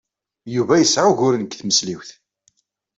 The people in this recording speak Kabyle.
Yuba yesɛa uguren deg tmesliwt.